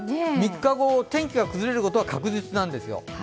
３日後、天気が崩れることは確実なんですよ。